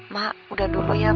mak udah dulu ya